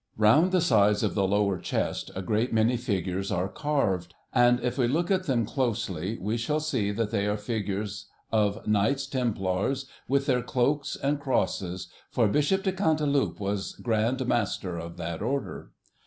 Round the sides of the lower chest a great many figures are carved, and if we look at them closely we shall see that they are figures of Knights Templars, with their cloaks and crosses, for Bishop de Cantilupe was Grand Master of that Order.